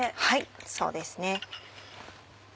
はいそうですね。